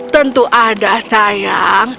tentu ada sayang